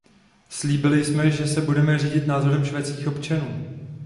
Slíbili jsme, že se budeme řídit názorem švédských občanů.